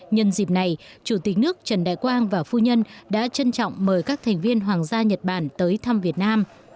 nhân dịp này chủ tịch nước trần đại quang và phu nhân đã trân trọng mời các thành viên hoàng gia nhật bản tới thăm việt nam